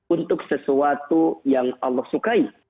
untuk sesuatu yang allah sukai